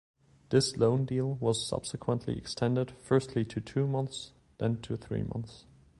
This loan deal was subsequently extended, firstly to two months, then to three months.